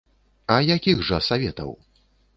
А якіх жа саветаў?